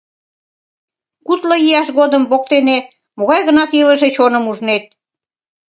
Кудло ияш годым воктене могай-гынат илыше чоным ужнет.